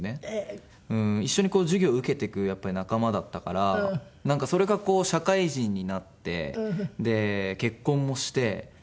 一緒に授業を受けていくやっぱり仲間だったからなんかそれが社会人になって結婚もして。